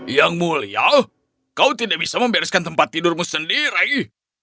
yang mulia kau tidak bisa membereskan tempat tidurmu sendiri